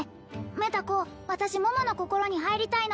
メタ子私桃の心に入りたいの